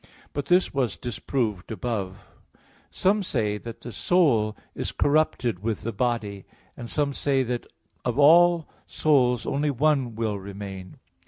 But this was disproved above (Q. 7, A. 4). Some say that the soul is corrupted with the body. And some say that of all souls only one will remain.